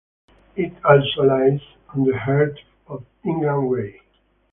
It also lies on the Heart of England Way.